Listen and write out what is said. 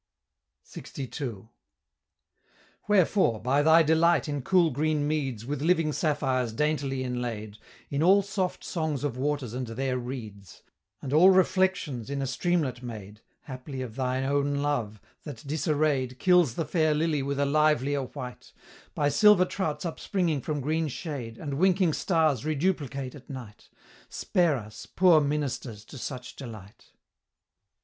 LXII. "Wherefore, by thy delight in cool green meads, With living sapphires daintily inlaid, In all soft songs of waters and their reeds, And all reflections in a streamlet made, Haply of thy own love, that, disarray'd, Kills the fair lily with a livelier white, By silver trouts upspringing from green shade, And winking stars reduplicate at night, Spare us, poor ministers to such delight."